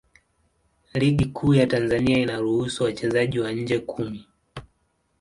Ligi Kuu ya Tanzania inaruhusu wachezaji wa nje kumi.